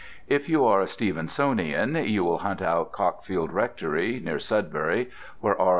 If you are a Stevensonian, you will hunt out Cockfield Rectory, near Sudbury, where R.